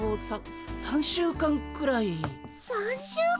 ３週間！？